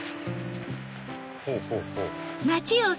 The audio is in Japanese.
ほうほうほう。